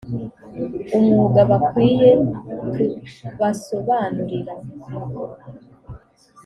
umwuga bakwiye tubasobanurira